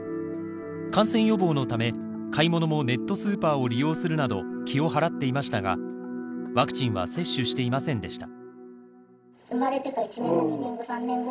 感染予防のため買い物もネットスーパーを利用するなど気を払っていましたがワクチンは接種していませんでした。